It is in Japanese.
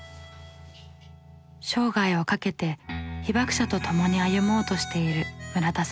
生涯をかけて被爆者とともに歩もうとしている村田さん。